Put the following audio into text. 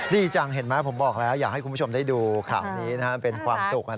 ดีจังเห็นไหมผมบอกแล้ว